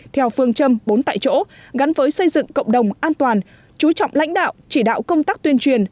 theo phương châm bốn tại chỗ gắn với xây dựng cộng đồng an toàn chú trọng lãnh đạo chỉ đạo công tác tuyên truyền